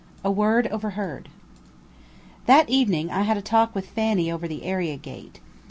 A WORD OVERHEARD That evening I had a talk with Fanny over the area gate.